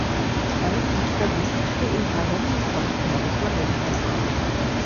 এমন-কি, তাঁর বিশ্বাস ছিল এই বাগানই ওর সমস্ত মনপ্রাণ অধিকার করবে।